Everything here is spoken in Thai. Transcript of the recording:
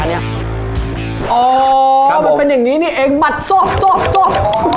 อ๋อมันเป็นอย่างนี้เนี๊ยงบาดสวบสวบสวบ